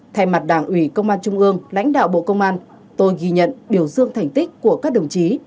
thay mặt đảng ủy công an trung ương lãnh đạo bộ công an tôi ghi nhận biểu dương thành tích của các đồng chí